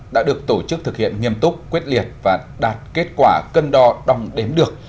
đã được tổ chức thực hiện nghiêm túc quyết liệt và đạt kết quả cân đo đong đếm được